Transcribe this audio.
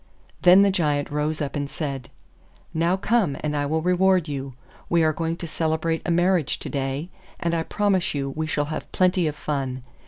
Then the Giant rose up and said, 'Now come and I will reward you. We are going to celebrate a marriage to day, and I promise you we shall have plenty of fun.